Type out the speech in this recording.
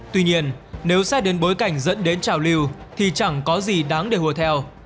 tuy nhiên nếu xét đến bối cảnh dẫn đến trào lưu thì chẳng có gì đáng để hùa theo